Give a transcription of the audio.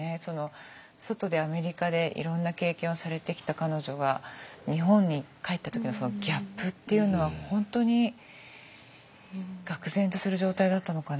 外でアメリカでいろんな経験をされてきた彼女が日本に帰った時のそのギャップっていうのは本当にがく然とする状態だったのかなと。